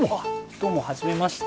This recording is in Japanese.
どうもはじめまして。